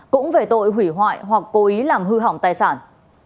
cũng về tội hủy hoại hoặc cố ý làm hư hỏng tài sản